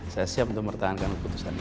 saya siap untuk mempertahankan keputusan ini